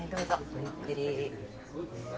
ごゆっくり。